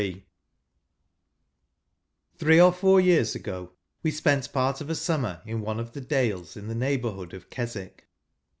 Three or four years ago we spent part of a summer in one of the aalea in the neigh¬ bourhood of Keswick.